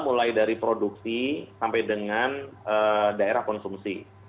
mulai dari produksi sampai dengan daerah konsumsi